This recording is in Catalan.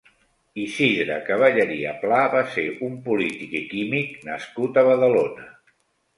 Isidre Caballeria Pla va ser un polític i químic nascut a Badalona.